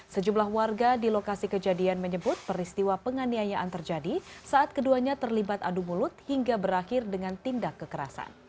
sejumlah warga di lokasi kejadian menyebut peristiwa penganiayaan terjadi saat keduanya terlibat adu mulut hingga berakhir dengan tindak kekerasan